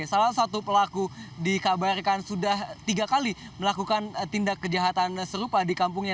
salah satu pelaku dikabarkan sudah tiga kali melakukan tindak kejahatan serupa di kampungnya